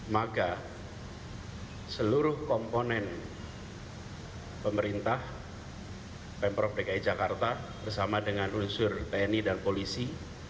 maka seluruh komponen pemerintah pemprov dki jakarta bersama dengan unsur tni dan polisi